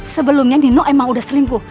sebelumnya dino emang udah selingkuh